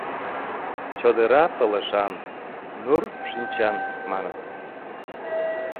Чодыра пылышан, нур шинчан, маныт.